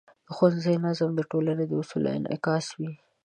د ښوونځي نظم د ټولنې د اصولو انعکاس و.